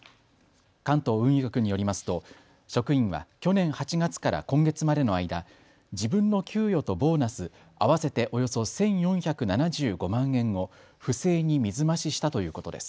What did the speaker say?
関東運輸局によりますと職員は去年８月から今月までの間、自分の給与とボーナス合わせておよそ１４７５万円を不正に水増ししたということです。